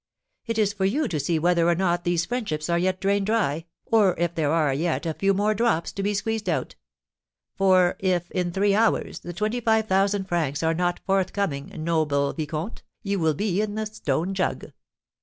It is for you to see whether or not these friendships are yet drained dry, or if there are yet a few more drops to be squeezed out; for if, in three hours, the twenty five thousand francs are not forthcoming, noble vicomte, you will be in the 'Stone Jug.'"